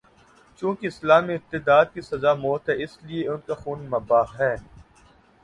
چونکہ اسلام میں ارتداد کی سزا موت ہے، اس لیے ان کا خون مباح ہے۔